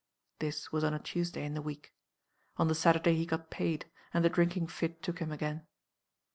"This was on a Tuesday in the week. On the Saturday he got paid, and the drinking fit took him again.